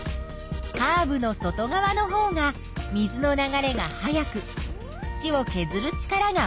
カーブの外側のほうが水の流れが速く土をけずる力が大きい。